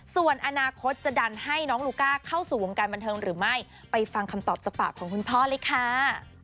ส่วนอนาคตจะดันให้น้องลูก้าเข้าสู่วงการบันเทิงหรือไม่ไปฟังคำตอบจากปากของคุณพ่อเลยค่ะ